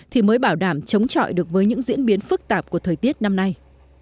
thì mới bảo đảm chống chọi được với những diễn biến phức tạp của thời tiết năm nay